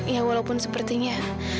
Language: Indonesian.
ya walaupun sepertinya